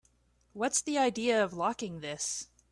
What's the idea of locking this?